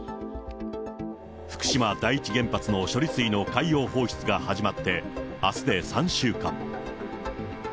福島第一原発の処理水の海洋放出が始まって、あすで３週間。